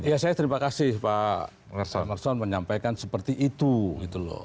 ya saya terima kasih pak merson menyampaikan seperti itu